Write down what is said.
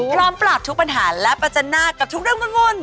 พร้อมปราบทุกปัญหาและประจันหน้ากับทุกเรื่องวุ่น